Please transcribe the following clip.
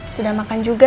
sudah makan juga